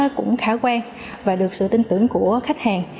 chúng tôi cũng khá quen và được sự tin tưởng của khách hàng